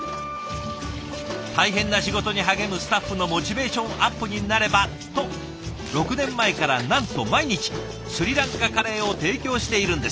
大変な仕事に励むスタッフのモチベーションアップになればと６年前からなんと毎日スリランカカレーを提供しているんです。